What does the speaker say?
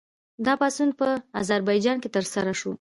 دا پاڅون په اذربایجان کې ترسره شو.